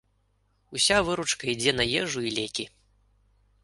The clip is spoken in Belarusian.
Уся выручка ідзе на ежу і лекі.